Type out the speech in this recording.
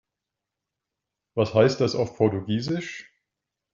Was heißt das auf Portugiesisch?